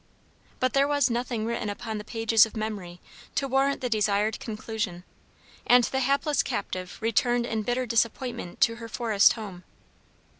But there was nothing written upon the pages of memory to warrant the desired conclusion, and the hapless captive returned in bitter disappointment to her forest home.